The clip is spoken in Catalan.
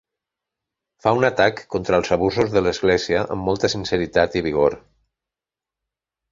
Fa un atac contra els abusos de l"església amb molta sinceritat i vigor.